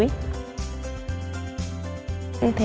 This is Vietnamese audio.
may vào quai túi